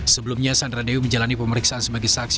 sebelumnya sandra dewi menjalani pemeriksaan sebagai saksi